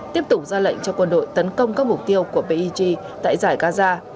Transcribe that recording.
tiếp tục ra lệnh cho quân đội tấn công các mục tiêu của pig tại giải gaza